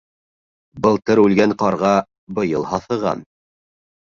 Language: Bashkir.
Былтыр үлгән ҡарға быйыл һаҫыған.